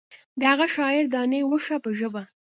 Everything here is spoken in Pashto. د هغه شاعر دانې وشه په ژبه.